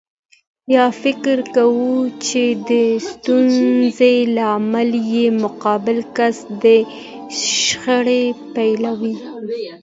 يا فکر وکړي چې د ستونزې لامل يې مقابل کس دی شخړه پيلوي.